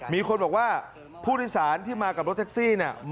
มีคนบอกว่าผู้โดยสารที่มากับรถแท็กซี่เนี่ย